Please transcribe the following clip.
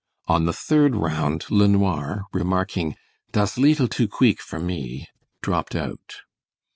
On the third round LeNoir, remarking, "Das leetle too queek for me," dropped out.